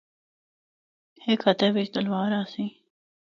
ہک ہتھا بچ تلوار آسی۔